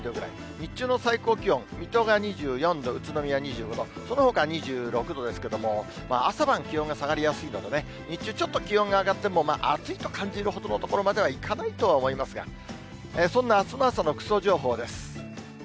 日中の最高気温、水戸が２４度、宇都宮２５度、そのほか２６度ですけれども、朝晩気温が下がりやすいのでね、日中、ちょっと気温が上がっても、まあ暑いと感じるほどのところまではいかないとは思いますが、そんなあすの朝の服装情報です。